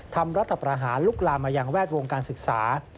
รัฐประหารลุกลามมาอย่างแวดวงการศึกษา